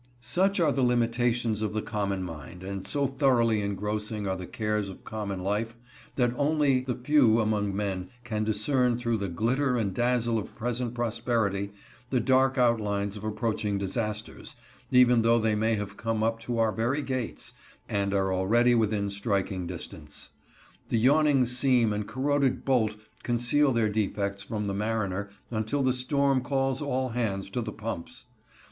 Such are the limitations of the common mind, and so thoroughly engrossing are the cares of common life, that only the few among men can discern through the glitter and dazzle of present prosperity the dark outlines of approaching disasters, even though they may have come up to our very gates, and are already within striking distance. The yawning seam and corroded bolt conceal their defects from the mariner until the storm calls all hands to the pumps.